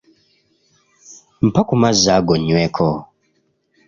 Mpa ku mazzi ago nyweko.